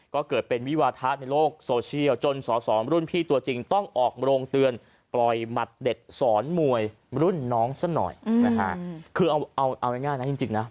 ก็เกิดเป็นวิวาทะในโลกโซเชียลจนสสรุ่นพี่ตัวจริงต้องออกโมลงเตือน